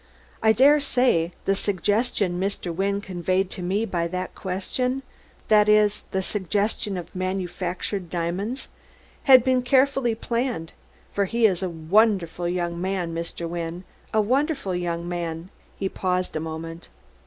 _ I dare say the suggestion Mr. Wynne conveyed to me by that question that is, the suggestion of manufactured diamonds had been carefully planned, for he is a wonderful young man, Mr. Wynne a wonderful young man." He paused a moment.